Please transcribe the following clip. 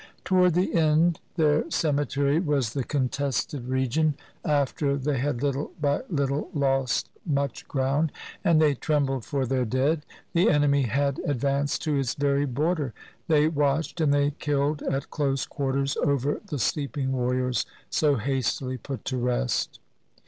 Toward the end their cemetery was the "contested 253 CHINA region," after they had little by little lost much ground, and they trembled for their dead; the enemy had ad vanced to its very border; they watched and they killed at close quarters over the sleeping warriors so hastily put to rest.